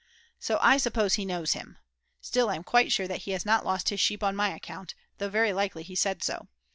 So I suppose he knows him. Still, I'm quite sure that he has not lost his sleep on my account, though very likely he said so.